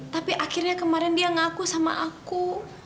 tapi akhirnya kemarin dia ngaku sama aku